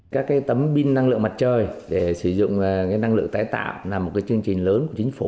các tấm pin năng lượng mặt trời để sử dụng năng lượng tái tạo là một chương trình lớn của chính phủ